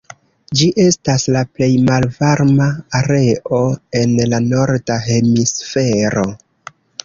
Ĝi estas la plej malvarma areo en la norda hemisfero.